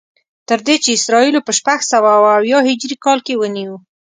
تر دې چې اسرائیلو په شپږسوه او اویا هجري کال کې ونیو.